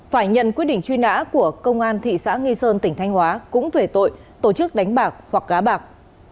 phải nhận quyết định truy nã của công an thị xã nghi sơn tỉnh thanh hóa cũng về tội tổ chức đánh bạc hoặc gá bạc